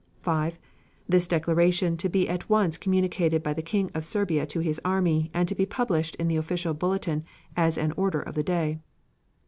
5. This declaration to be at once communicated by the King of Serbia to his army, and to be published in the official bulletin as an order of the day.